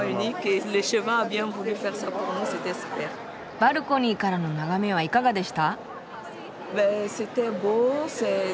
バルコニーからの眺めはいかがでした？